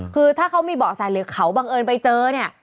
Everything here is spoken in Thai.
คือถ้าเขามีเบาะแสหรือเขาบังเอิญไปเจอเนี่ย